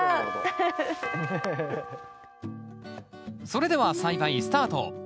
それでは栽培スタート。